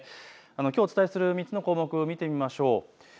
きょうお伝えする３つの項目を見てみましょう。